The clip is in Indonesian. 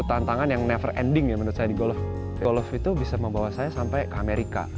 tantangan yang never ending ya menurut saya di golf golf itu bisa membawa saya sampai ke amerika